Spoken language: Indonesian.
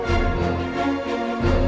kalo remedyanya adalah hati fly uang